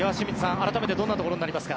改めてどんなところになりますか。